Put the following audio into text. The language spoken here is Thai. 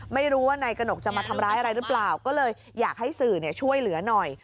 ไม่รู้ว่านายกระหนกจะมาทำร้ายอะไรหรือเปล่าก็เลยอยากให้สื่อช่วยเหลือหน่อย